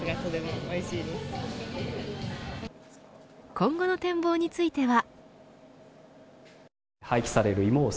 今後の展望については。